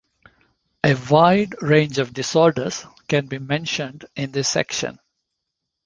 A wide range of disorders can be mentioned in this section.